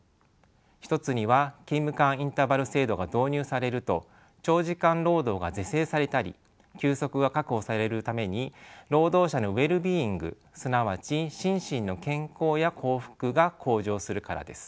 一つには勤務間インターバル制度が導入されると長時間労働が是正されたり休息が確保されるために労働者のウェルビーイングがすなわち心身の健康や幸福が向上するからです。